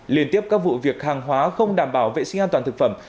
liên tiếp các vụ việc hàng hóa không đảm bảo vệ sinh an toàn thực phẩm